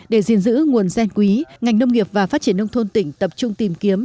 để gìn giữ nguồn gen quý ngành nông nghiệp và phát triển nông thôn tỉnh tập trung tìm kiếm